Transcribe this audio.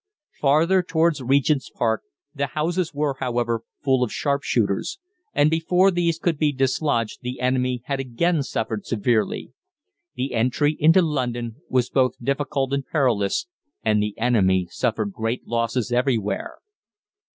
Farther towards Regent's Park the houses were, however, full of sharpshooters, and before these could be dislodged the enemy had again suffered severely. The entry into London was both difficult and perilous, and the enemy suffered great losses everywhere.